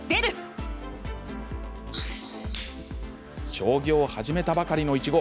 将棋を始めたばかりの苺。